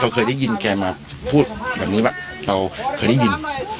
เราเคยได้ยินกับแกมาพูดแบบนี้แหละเราเคยได้ยิน